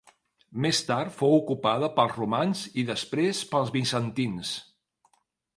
Més tard fou ocupada pels romans i després pels bizantins.